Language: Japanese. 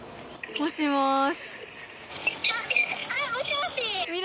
もしもし？」